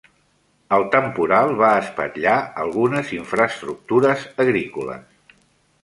El temporal va espatllar algunes infraestructures agrícoles